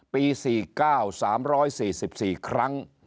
ปี๔๙๓๔๔ครั้ง